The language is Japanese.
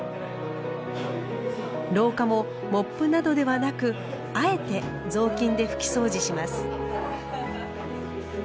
廊下もモップなどではなくあえて雑巾で拭きそうじします。